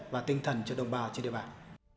và tinh thần cho đồng bảo trên địa bàn